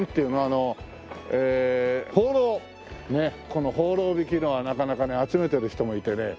このほうろう引きのはなかなかね集めてる人もいてね。